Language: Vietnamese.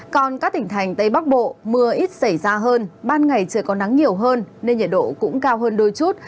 còn các tỉnh thành tây bắc bộ mưa ít xảy ra hơn ban ngày trời có nắng nhiều hơn nên nhiệt độ cũng cao hơn đôi chút